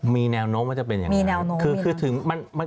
มีแนวโน้มว่าจะเป็นอย่างนี้